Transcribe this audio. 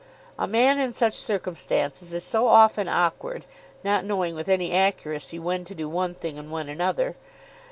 A man in such circumstances is so often awkward, not knowing with any accuracy when to do one thing and when another!